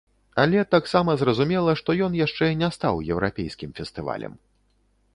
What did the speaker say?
Але таксама зразумела, што ён яшчэ не стаў еўрапейскім фестывалем.